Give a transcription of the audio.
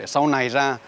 sau này ra